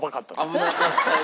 危なかったですよ。